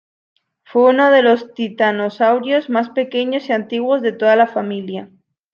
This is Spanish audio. Fue uno de los Titanosaurios más pequeños y antiguos de toda la familia.